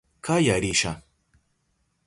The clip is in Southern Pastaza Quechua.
Kaya risha.